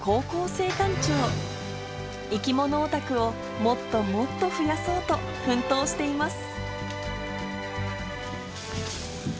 生き物オタクをもっともっと増やそうと奮闘しています。